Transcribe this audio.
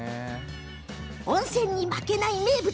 温泉に負けない別府の名物。